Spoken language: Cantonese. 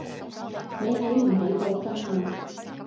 你起唔起到身呀